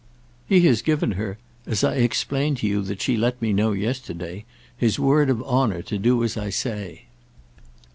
"He has given her—as I explained to you that she let me know yesterday—his word of honour to do as I say."